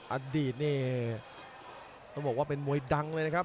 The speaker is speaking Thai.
อดีตนี่ต้องบอกว่าเป็นมวยดังเลยนะครับ